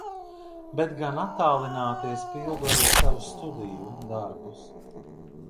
Bet gan attālināti, es pildu arī savus studiju darbus.